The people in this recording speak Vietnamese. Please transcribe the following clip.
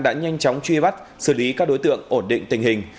đã nhanh chóng truy bắt xử lý các đối tượng ổn định tình hình